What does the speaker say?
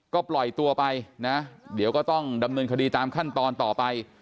ก็ปล่อยตัวไปนะเดี๋ยวก็ต้องดำเนินคดีตามขั้นตอนต่อไป